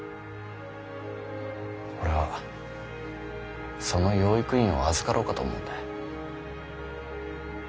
俺はその養育院を預かろうかと思うんだい。